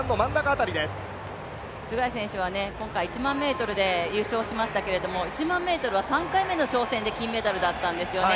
ツェガイ選手は今回１００００ｍで優勝しましたけれども、１００００ｍは３回目の挑戦で金メダルだったんですよね。